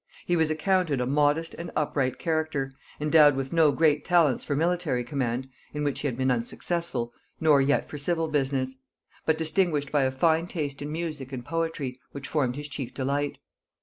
He was accounted a modest and upright character, endowed with no great talents for military command, in which he had been unsuccessful, nor yet for civil business; but distinguished by a fine taste in music and poetry, which formed his chief delight.